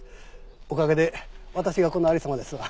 おかげで私がこの有り様ですわ。